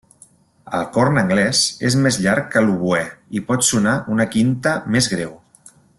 El corn anglès és més llarg que l'oboè i pot sonar una quinta més greu.